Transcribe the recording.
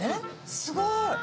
すごーい。